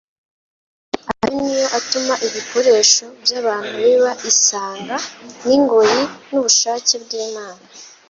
ayo ni yo atuma ibikoresho by'abantu biba isanga n'ingoyi n'ubushake bw'Imana.